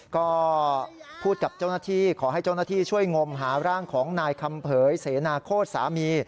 ก็พูดกับเจ้าหน้าที่ขอให้เจ้าหน้าที่ช่วยงมหาร่างของนายคำเผยเสนาโคตรสามี